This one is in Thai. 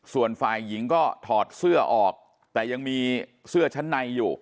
ส่วนฝ่ายหญิงก็ถอดเสื้อออกแต่ยังมีเสื้อชั้นในอยู่